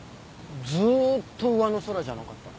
ずーっと上の空じゃなかった？